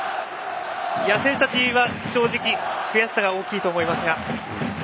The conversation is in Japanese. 選手たちは正直悔しさが大きいと思いますが。